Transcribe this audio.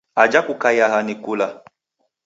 Ajha Ukaiyagha ni kula.